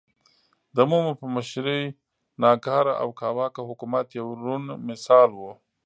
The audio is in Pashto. د مومو په مشرۍ ناکاره او کاواکه حکومت یو روڼ مثال و.